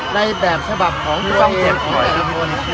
ในแบบฉบับของโรงเรียน